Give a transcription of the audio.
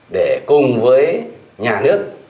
để cùng với nhà nước